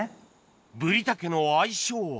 ブリタケの相性は？